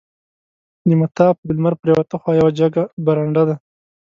د مطاف د لمر پریواته خوا یوه جګه برنډه ده.